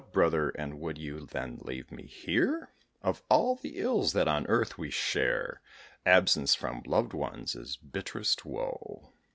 brother, and would you then leave me here? Of all the ills that on earth we share, Absence from loved ones is bitterest woe!